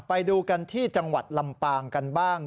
ไปดูกันที่จังหวัดลำปางกันบ้าง